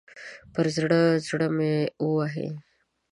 پر زړه، زړه مې ووهئ